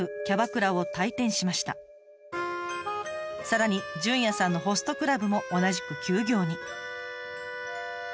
さらにじゅんやさんのホストクラブも同じく休業に。